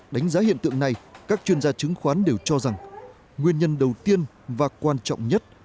đánh giá hiện tượng này các chuyên gia chứng khoán đều cho rằng nguyên nhân đầu tiên và quan trọng nhất